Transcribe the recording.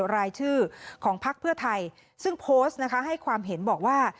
รายชื่อของพักเพื่อไทยซึ่งโพสต์นะคะให้ความเห็นบอกว่า